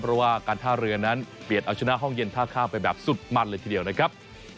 เพราะว่าการท่าเรือนั้นเปลี่ยนเอาชนะห้องเย็นท่าข้ามไปแบบสุดมันเลยทีเดียวนะครับ